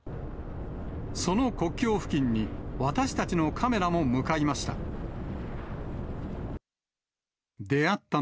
その国境付近に、私たちのカメラも向かいました。